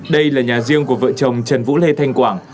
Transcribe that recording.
đây là nhà riêng của vợ chồng trần vũ lê thanh quảng